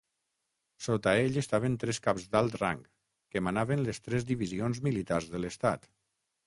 Sota ell estaven tres caps d'alt rang, que manaven les tres divisions militars de l'Estat.